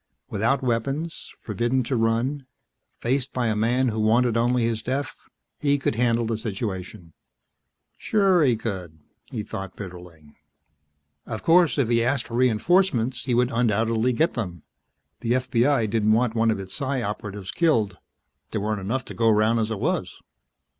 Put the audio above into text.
Without weapons, forbidden to run, faced by a man who wanted only his death, he could handle the situation. Sure he could, he thought bitterly. Of course, if he asked for reinforcements he would undoubtedly get them. The FBI didn't want one of its Psi Operatives killed; there weren't enough to go round as it was.